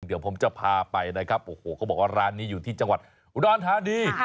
เดี๋ยวผมจะพาไปนะครับโอ้โหเขาบอกว่าร้านนี้อยู่ที่จังหวัดอุดรธานี